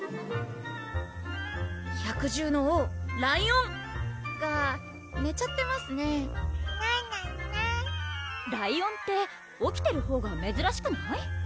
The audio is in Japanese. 百獣の王・ライオンがねちゃってますねねんねねぇライオンって起きてるほうがめずらしくない？